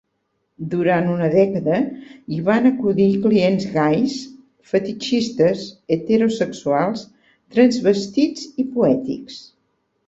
Durant una dècada, hi van acudir clients gais, fetitxistes, heterosexuals, transvestits i poètics.